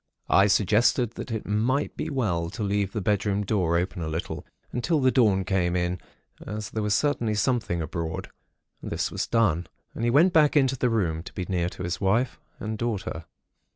I suggested that it might be well to leave the bedroom door open a little, until the dawn came in, as there was certainly something abroad. This was done, and he went back into the room, to be near his wife and daughter.